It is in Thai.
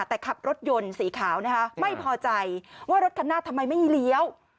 แต่ขับรถยนต์สีขาวนะคะไม่พอใจว่ารถคันหน้าทำไมไม่ให้เลี้ยว